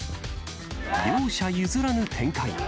両者譲らぬ展開。